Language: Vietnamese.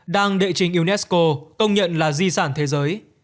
đang đệ trình unesco công nhận là di sản thế giới